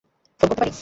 Phone করতে পারি?